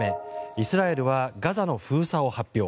イスラエルはガザの封鎖を発表。